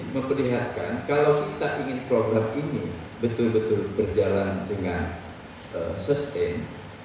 memperingatkan kalau kita ingin program ini betul betul berjalan dengan sustain